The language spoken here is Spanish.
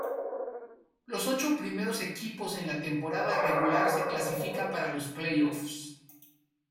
Los ocho primeros equipos en la temporada regular se clasifican para los playoffs.